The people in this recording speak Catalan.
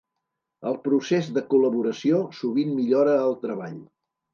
El procés de col·laboració sovint millora el treball.